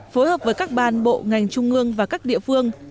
phối hợp với các ban bộ ngành trung ương và các địa phương